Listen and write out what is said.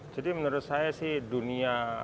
jadi menurut saya sih dunia